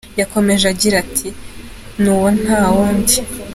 Yakomeje agira ati “Ni uwo nta wundi.